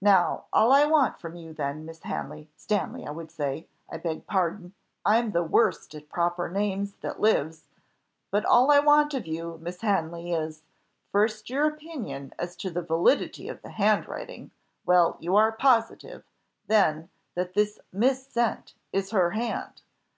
"Now all I want from you then, Miss Hanley Stanley I would say, I beg pardon, I'm the worst at proper names that lives but all I want of you, Miss Hanley, is first, your opinion as to the validity of the handwriting, well, you are positive, then, that this mis sent is her hand.